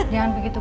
jangan begitu bu